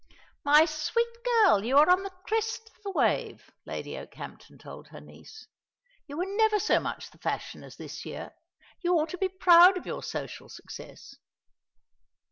"My sweet girl, you are on the crest of the wave," Lady Okehampton told her niece. "You were never so much the fashion as this year. You ought to be proud of your social success."